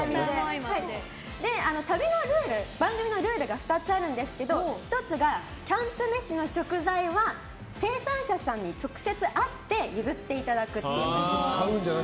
旅のルール番組のルールが２つあるんですが１つがキャンプ飯の食材は生産者さんに直接会って譲っていただく。